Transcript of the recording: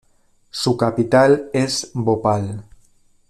Su capital es Bhopal.